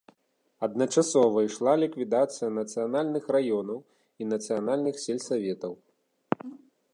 Адначасова ішла ліквідацыя нацыянальных раёнаў і нацыянальных сельсаветаў.